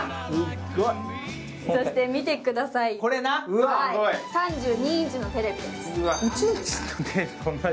そして、見てください、３２インチのテレビです。